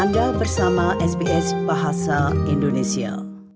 anda bersama sbs bahasa indonesia